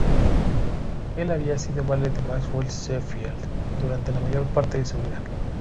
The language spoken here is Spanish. Él había sido valet de Maxwell Sheffield durante la mayor parte de su vida.